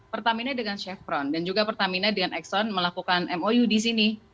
pertamina dengan chev fron dan juga pertamina dengan exxon melakukan mou di sini